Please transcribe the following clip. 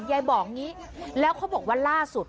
ยายบอกอย่างนี้แล้วเขาบอกว่าล่าสุด